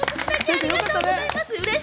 ありがとうございます。